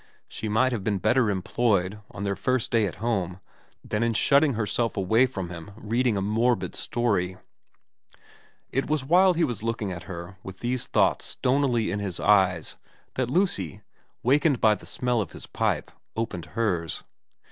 She might have been better employed, on their first day at home, than in shutting herself away from him reading a morbid story. B 242 VERA It was while he was looking at her with these thoughts stonily in his eyes that Lucy, wakened by the smell of his pipe, opened hers.